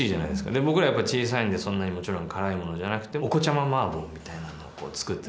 で僕らやっぱ小さいんでそんなにもちろん辛いものじゃなくてお子ちゃまマーボーみたいのをこうつくってくれて。